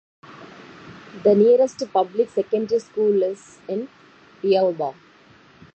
The nearest public secondary school is in Pialba.